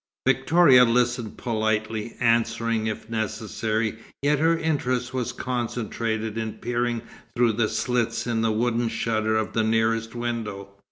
Victoria listened politely, answering if necessary; yet her interest was concentrated in peering through the slits in the wooden shutter of the nearest window.